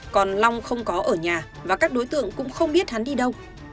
còn long không có ở nhà và các đối tượng cũng không biết hắn đi đâu